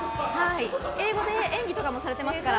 英語で演技とかもされてますから。